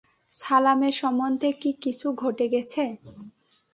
সালামের সম্বন্ধে কি কিছু ঘটে গেছে?